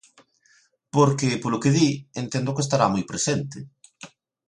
Porque, polo que di, entendo que estará moi presente.